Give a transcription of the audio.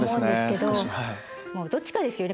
どっちかですよね